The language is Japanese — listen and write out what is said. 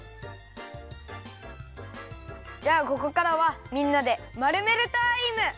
じゃあここからはみんなでまるめるタイム！